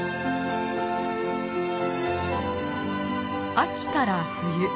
秋から冬。